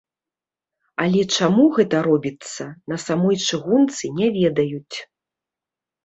Але чаму гэта робіцца, на самой чыгунцы не ведаюць.